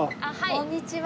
こんにちは。